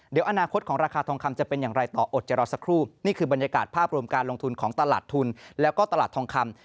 เดี๋ยวอนาคตของราคาทองคำจะเป็นอย่างไรต่ออดจะรอสักครู่นี่คือบรรยากาศภาพรวมการลงทุนของตลาดทุนแล้วก็ตลาดทองคำ